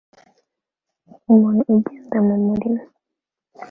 Umuntu ugenda mu murima